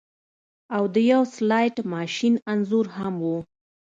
او د یو سلاټ ماشین انځور هم و